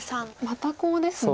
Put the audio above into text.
またコウですね。